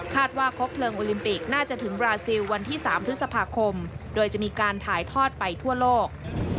ว่าครบเพลิงโอลิมปิกน่าจะถึงบราซิลวันที่๓พฤษภาคมโดยจะมีการถ่ายทอดไปทั่วโลก